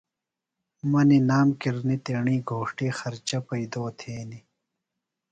مہ نِنام کِرنی تیݨی گھوݜٹیۡ خرچہ پیئدو تھینیۡ۔